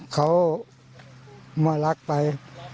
เขามารักไป